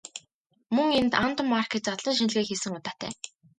Мөн энд Антоммарки задлан шинжилгээ хийсэн удаатай.